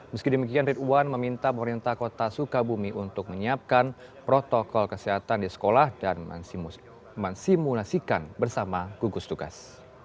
meski demikian ridwan meminta pemerintah kota sukabumi untuk menyiapkan protokol kesehatan di sekolah dan mensimulasikan bersama gugus tugas